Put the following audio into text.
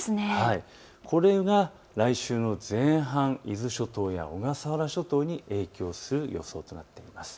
これが来週の前半、伊豆諸島や小笠原諸島に影響する予想となっています。